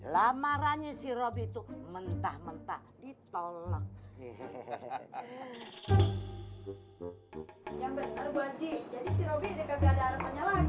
lamarannya si robi itu mentah mentah ditolak